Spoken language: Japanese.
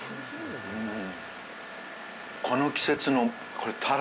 この季節の、これタラ。